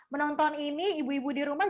menonton ini ibu ibu di rumah